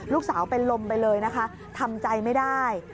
ลูกสาวเป็นลมไปเลยนะคะทำใจไม่ได้